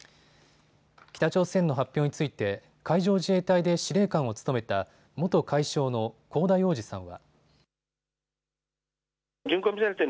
北朝鮮の発表について海上自衛隊で司令官を務めた元海将の香田洋二さんは。